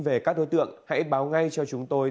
về các đối tượng hãy báo ngay cho chúng tôi